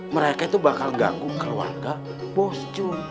mereka itu bakal ganggu keluarga bos juga